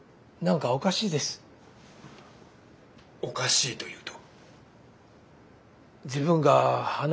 おかしいというと？